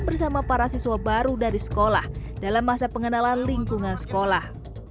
bersama para siswa baru dari sekolah dalam masa pengenalan lingkungan sekolah